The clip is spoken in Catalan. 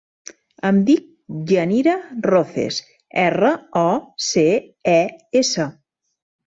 Em dic Yanira Roces: erra, o, ce, e, essa.